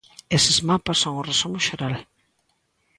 Eses mapas son o resumo xeral.